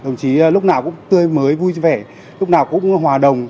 đồng chí lúc nào cũng tươi mới vui vẻ lúc nào cũng hòa đồng